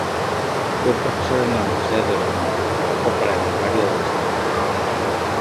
Fue profesor en la Universidad de Oregon, y trabajó para el herbario del Estado.